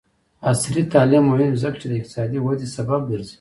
عصري تعلیم مهم دی ځکه چې اقتصادي وده سبب ګرځي.